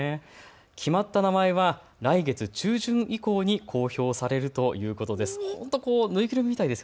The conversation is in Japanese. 決まった名前は来月中旬以降に公表されるということです。